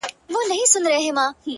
• چي یې وکتل قصاب نه وو بلا وه,